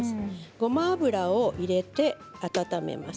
ごま油を入れて温めます。